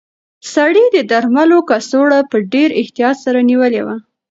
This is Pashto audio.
سړي د درملو کڅوړه په ډېر احتیاط سره نیولې وه.